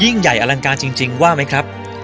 ยิ่งใหญ่อลังการจริงว่าไหมครับ